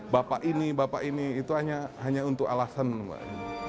bapak ini bapak ini itu hanya untuk alasan mbak